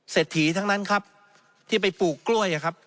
ถีทั้งนั้นครับที่ไปปลูกกล้วยครับ